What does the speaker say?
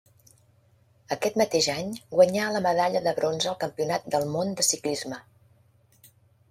Aquest mateix any guanyà la medalla de bronze al Campionat del món de ciclisme.